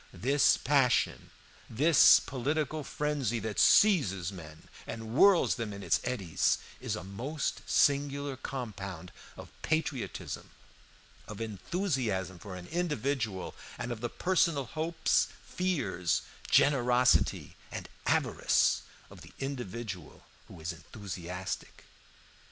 This passion, this political frenzy that seizes men and whirls them in its eddies, is a most singular compound of patriotism, of enthusiasm for an individual, and of the personal hopes, fears, generosity, and avarice of the individual who is enthusiastic.